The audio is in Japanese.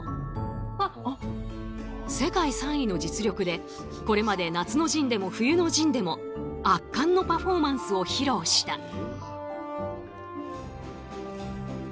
世界３位の実力でこれまで「夏の陣」でも「冬の陣」でも圧巻のパフォーマンスを披露した。